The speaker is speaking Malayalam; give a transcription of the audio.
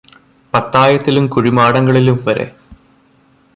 പത്തായത്തിലും കുഴിമാടങ്ങളിലും വരെ